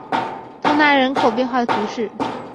通讷人口变化图示